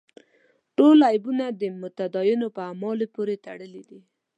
ټول عیبونه د متدینو په اعمالو پورې تړلي دي.